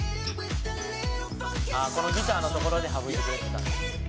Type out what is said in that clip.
「このギターのところで省いてくれてたんだ」